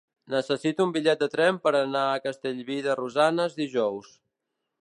Necessito un bitllet de tren per anar a Castellví de Rosanes dijous.